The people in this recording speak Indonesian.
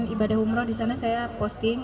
ibadah umroh disana saya posting